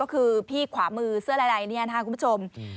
ก็คือพี่ขวามือเสื้อลายเนี่ยนะครับคุณผู้ชม